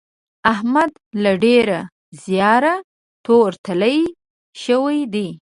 احمد له ډېره زیاره تور تېيلی شوی دی.